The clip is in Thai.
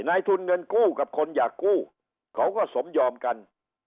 นายทุนเงินกู้กับคนอยากกู้เขาก็สมยอมกัน